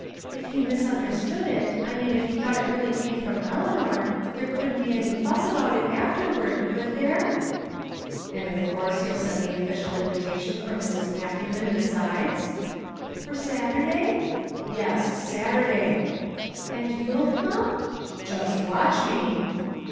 "If he misunderstood it I mean if he thought it really came from Eleanor there couldn't be any fuss about it afterward, could there?" "And, of course, you'll send the official invitation from Mrs. Matthewman besides?" "For Saturday?" "Yes, Saturday!" "And you'll come?" "Just watch me!"